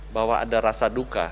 bahwa ada rasa duka